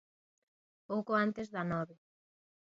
Pouco antes da nove.